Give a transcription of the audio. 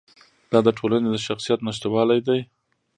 دا د ټولنې د شخصیت نشتوالی دی.